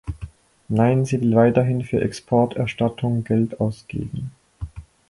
Nein, sie will weiterhin für Exporterstattung Geld ausgeben.